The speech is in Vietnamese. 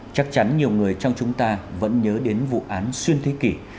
chắc chắn nhiều người trong chúng ta vẫn nhớ đến vụ án xuyên thế kỷ